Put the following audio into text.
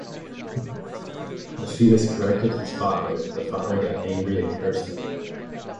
The fetus corrected his father, the father got angry and cursed him.